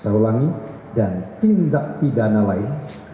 saya ulangi dan tindak pidana lain